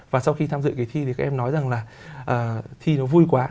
và sau khi tham dự kỳ thi thì các em nói rằng là thi nó vui quá